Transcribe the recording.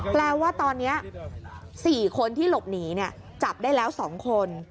แปลว่าตอนนี้๔คนที่หลบหนีจับได้แล้ว๒คน